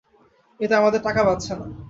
এতে আমাদের টাকা বাঁচছে না।